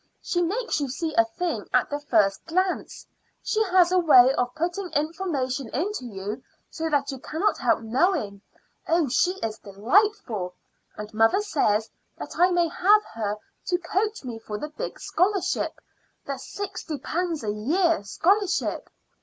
She makes you see a thing at the first glance. She has a way of putting information into you so that you cannot help knowing. Oh, she is delightful! And mother says that I may have her to coach me for the big scholarship the sixty pounds a year scholarship.